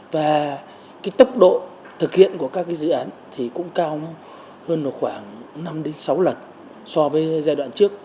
và cái tốc độ thực hiện của các dự án thì cũng cao hơn khoảng năm sáu lần so với giai đoạn trước